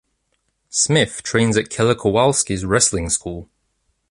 Smith trains at Killer Kowalski’s wrestling school.